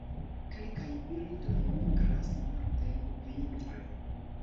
Kelkaj birdoj migras norden vintre.